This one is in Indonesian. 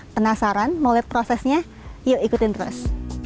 penasaran mau lihat prosesnya yuk ikutin terus